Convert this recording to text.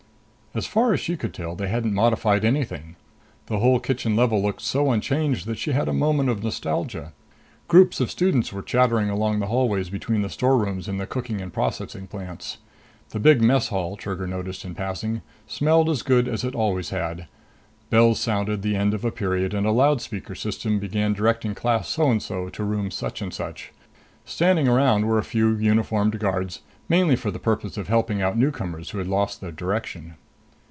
As far as she could tell they hadn't modified anything. The whole kitchen level looked so unchanged that she had a moment of nostalgia. Groups of students went chattering along the hallways between the storerooms and the cooking and processing plants. The big mess hall, Trigger noticed in passing, smelled as good as it always had. Bells sounded the end of a period and a loudspeaker system began directing Class so and so to Room such and such. Standing around were a few uniformed guards mainly for the purpose of helping out newcomers who had lost their direction.